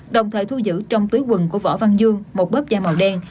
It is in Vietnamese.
đồng thời thu giữ trong túi quần của võ văn dương một bớp da màu đen